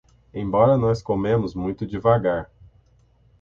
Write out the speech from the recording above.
Embora nós comemos muito devagar